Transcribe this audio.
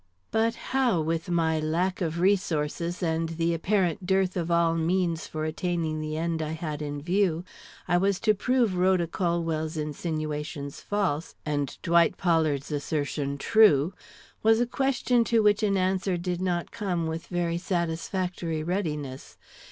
But how, with my lack of resources and the apparent dearth of all means for attaining the end I had in view, I was to prove Rhoda Colwell's insinuations false, and Dwight Pollard's assertion true, was a question to which an answer did not come with very satisfactory readiness.